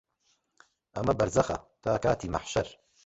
ئەمە بەرزەخە تا کاتی مەحشەر